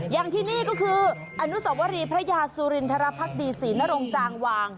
อย่างที่นี่ก็คืออนุสวรีพระยาสุรินทรภักดีศรีนรงจางวาง